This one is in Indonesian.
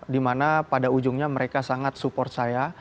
di mana pada ujungnya mereka sangat support saya